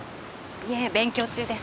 いえ勉強中です。